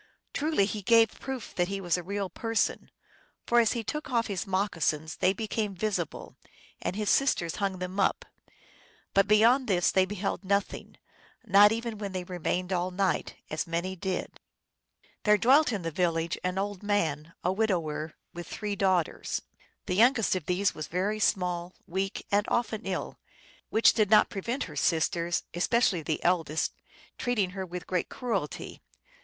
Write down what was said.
Truly he gave proof that he was a real person, for as he took off his moccasins they became visible, and his sister hung them up ; but beyond this they beheld nothing not even when they remained all night, as many did. There dwelt in the village an old man, a widower, with three daughters. The youngest of these was very small, weak, and often ill, which did not prevent her sisters, especially the eldest, treating her with great cruelty.